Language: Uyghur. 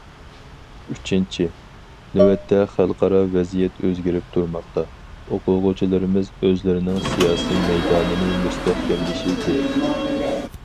ئۈچىنچى، نۆۋەتتە خەلقئارا ۋەزىيەت ئۆزگىرىپ تۇرماقتا، ئوقۇغۇچىلىرىمىز ئۆزلىرىنىڭ سىياسىي مەيدانىنى مۇستەھكەملىشى كېرەك.